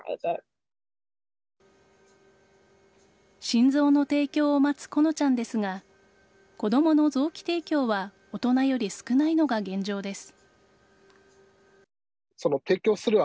心臓の提供を待つ好乃ちゃんですが子供の臓器提供は大人より少ないのが現状です。